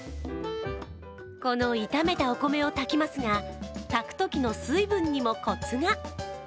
この炒めたお米を炊きますが、炊くときの水分にもこつが。